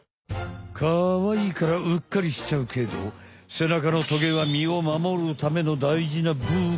カワイイからうっかりしちゃうけどせなかのトゲはみを守るためのだいじな武器。